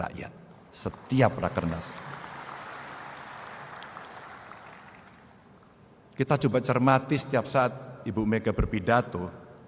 kita coba cermati setiap saat ibu mega berpidato